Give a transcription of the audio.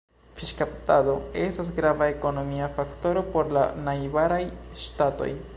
Fiŝkaptado estas grava ekonomia faktoro por la najbaraj ŝtatoj.